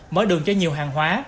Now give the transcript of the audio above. mở đường cho nhiều hàng hóa